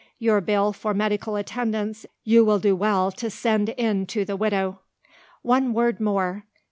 Your bill for medical attendance you will do well to send in to the widow. "One word more.